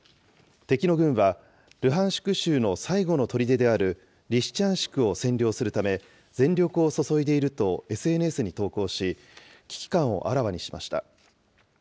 敵の軍は、ルハンシク州の最後のとりでであるリシチャンシクを占領するため、全力を注いでいるとＳＮＳに投稿し、危機感をあらわにしました。